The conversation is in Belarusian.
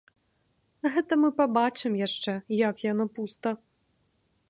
Гэта мы пабачым яшчэ, як яно пуста!